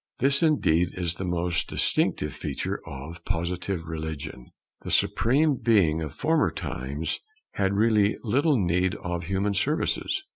This indeed is the most distinctive feature of Positive religion. The Supreme Being of former times had really little need of human services.